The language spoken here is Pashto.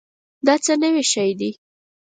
دا څه نوي شی دی؟